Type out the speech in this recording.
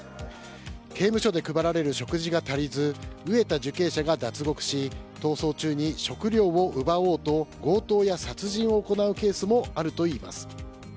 刑務所で配られる食事が足りず飢えた受刑者が脱獄し逃走中に食料を奪おうと強盗や殺人を行うケースもあるといいます。